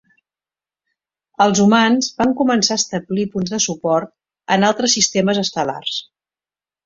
Els humans van començar a establir punts de suport en altres sistemes estel·lars.